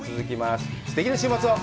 すてきな週末を！